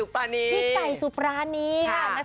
พี่ไก่สุปรานีค่ะ